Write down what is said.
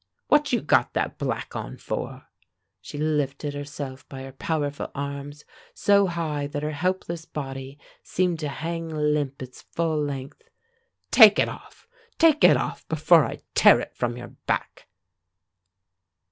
"What you got that black on for?" She lifted herself by her powerful arms so high that her helpless body seemed to hang limp its full length. "Take it off, take it off, before I tear it from your back!"